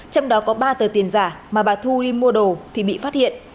trong đó có ba tờ tiền giả mà bà thu đi mua đồ thì bị phát hiện